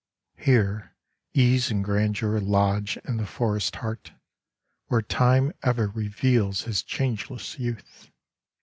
Here Ease and Grandeur lodge in the forest's heart, where Time ever reveals his changeless youth.